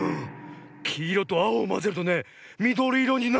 きいろとあおをまぜるとねみどりいろになるんだね。